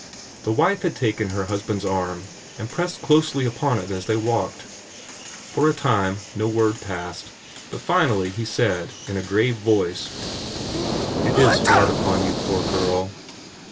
The wife had taken her husband's arm, and pressed closely upon it as they walked. For a time no word passed, but finally he said, in a grave voice, "It is hard upon you, poor girl."